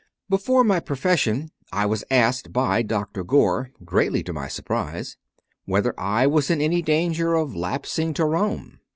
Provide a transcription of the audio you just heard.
4. Before my profession I was asked by Dr. Gore, greatly to my surprise, whether I was in any danger of lapsing to Rome.